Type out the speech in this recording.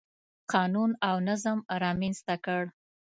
قانون او نظم رامنځته کړ.